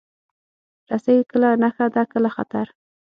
رسۍ کله نښه ده، کله خطر.